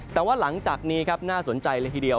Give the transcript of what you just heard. แต่ว่าหลังจากนี้ครับน่าสนใจเลยทีเดียว